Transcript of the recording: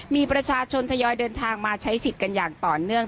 มีประชาชนทยอยเดินทางมาใช้สิทธิ์กันอย่างต่อเนื่อง